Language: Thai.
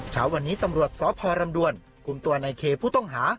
เช้าวันนี้ตำรวจสพรำดวนคุมตัวในเคผู้ต้องหา